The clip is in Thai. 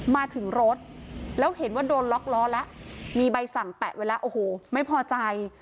มาถึงรถแล้วเห็นว่าโดนล็อกล้อแล้วมีใบสั่งแปะไว้แล้วโอ้โหไม่พอใจ